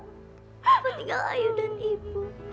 bapak tinggal ayu dan ibu